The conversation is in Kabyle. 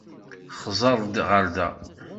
Xẓer-d ɣer da.